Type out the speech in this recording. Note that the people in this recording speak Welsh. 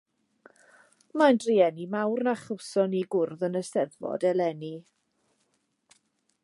Mae'n drueni mawr na chawsom ni gwrdd yn y Steddfod eleni.